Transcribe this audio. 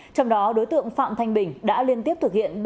trong đó đối tượng phạm thanh bình đã liên tiếp thực hiện